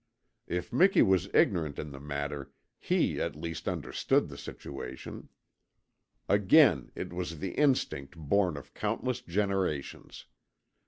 If Miki was ignorant in the matter, HE at least understood the situation. Again it was the instinct born of countless generations.